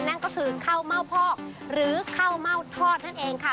นั่นก็คือข้าวเม่าพอกหรือข้าวเม่าทอดนั่นเองค่ะ